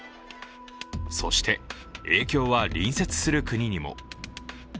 そして、影響は隣接する国にも。